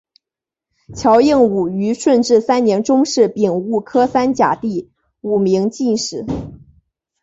乔映伍于顺治三年中式丙戌科三甲第五名进士。